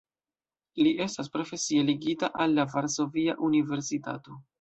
Li estas profesie ligita al la Varsovia Universitato.